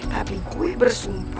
tapi kue bersumpu